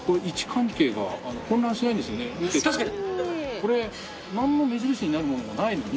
これなんも目印になるものがないのに。